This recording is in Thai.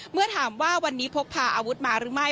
เมื่อถามว่าวันนี้พกพาอาวุธมาหรือไม่